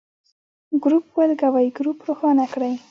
ګروپ ولګوئ ، ګروپ روښانه کړئ.